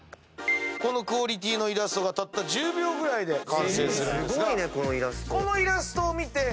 このクオリティーのイラストがたった１０秒ぐらいで完成。